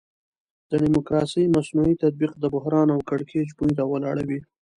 د ډیموکراسي مصنوعي تطبیق د بحران او کړکېچ بوی راولاړوي.